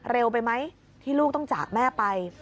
เร็วไปไหมที่ลูกต้องจากแม่ไป